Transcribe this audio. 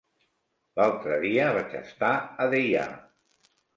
L'altre dia vaig estar a Deià.